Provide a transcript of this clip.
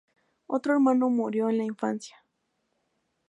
Otro hermano murió en la infancia.